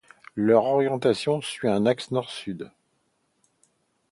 Leur orientation suit un axe nord-sud.